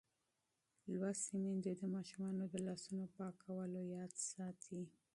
لوستې میندې د ماشومانو د لاسونو پاکولو یاد ساتي.